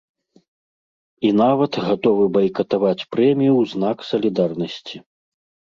І нават гатовы байкатаваць прэмію ў знак салідарнасці.